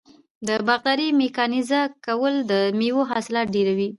د باغدارۍ میکانیزه کول د میوو حاصلات ډیروي.